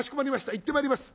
行ってまいります。